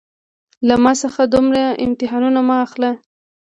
له ما څخه دومره امتحانونه مه اخله